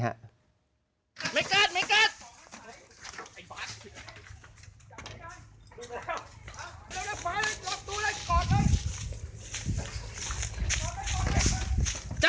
จับไม่ได้